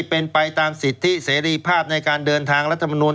เป็นไปตามสิทธิเสรีภาพในการเดินทางรัฐมนุน